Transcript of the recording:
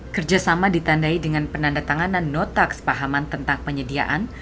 kerjasama ditandai dengan penanda tanganan notak sepahaman tentang penyediaan